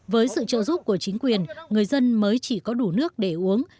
với sự trợ giúp của chính quyền người dân mới chỉ có đủ nước để uống